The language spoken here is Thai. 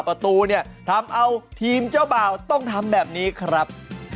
ประตูเนี่ยทำเอาทีมเจ้าบ่าวต้องทำแบบนี้ครับ